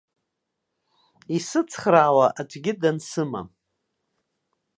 Исыцхраауа аӡәгьы дансымам.